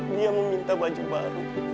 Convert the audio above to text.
dia meminta baju baru